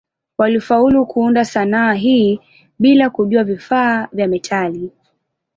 Walifaulu kuunda sanaa hii bila kujua vifaa vya metali.